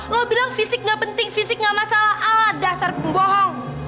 lo bilang fisik gak penting fisik gak masalah ala dasar pembohong